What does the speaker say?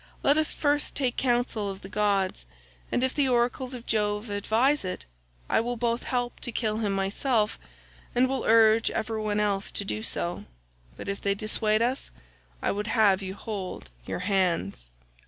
Let us first take counsel of the gods, and if the oracles of Jove advise it, I will both help to kill him myself, and will urge everyone else to do so; but if they dissuade us, I would have you hold your hands."